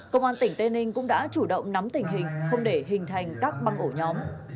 công an tỉnh tây ninh cũng đã chủ động nắm tình hình không để hình thành các băng ổ nhóm